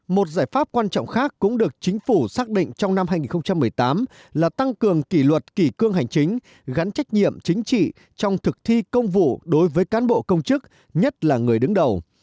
một giải pháp quan trọng khác cũng được chính phủ xác định trong năm hai nghìn một mươi tám là tăng cường kỷ luật kỷ cương hành chính gắn trách nhiệm chính trị trong thực thi công vụ đối với cán bộ công chức nhất là người đứng đầu